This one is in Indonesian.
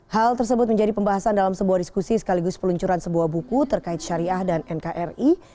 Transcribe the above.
hal tersebut menjadi pembahasan dalam sebuah diskusi sekaligus peluncuran sebuah buku terkait syariah dan nkri